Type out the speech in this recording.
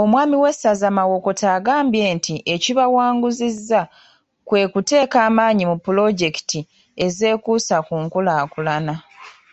Omwami w'essaza Mawokota agambye nti ekibawanguzizza kwe kuteeka amaanyi mu pulojekiti ezeekuusa ku nkulaakulana.